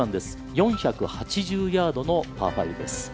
４８０ヤードのパー５です。